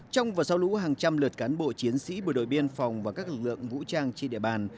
trong và sau lũ hàng trăm lượt cán bộ chiến sĩ bộ đội biên phòng và các lực lượng vũ trang trên địa bàn